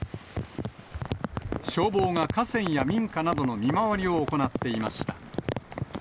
消防が河川や民家などの見回りを行っていました。